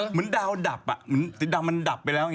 เหมือนดาวดับอะมันดับไปแล้ว